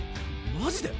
マジで？